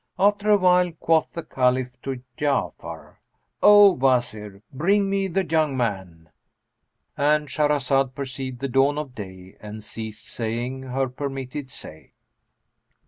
After awhile, quoth the Caliph to Ja'afar, "O Wazir, bring me the young man'—And Shahrazad perceived the dawn of day and ceased saying her permitted say.